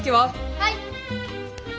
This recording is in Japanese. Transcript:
はい！